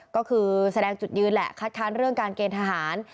ก็คือแสดงจุดยืนแหละคัดค้านเรื่องการเกณฑ์ทหาร